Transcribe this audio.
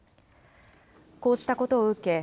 こうしたことを受け